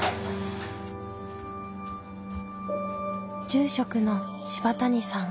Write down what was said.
住職の柴谷さん。